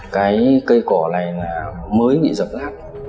cây cỏ này mới bị dập lát